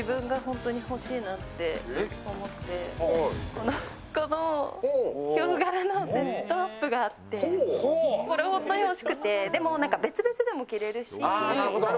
このヒョウ柄のセットアップがあって、これホントに欲しくてで、でも別々でも着れるし。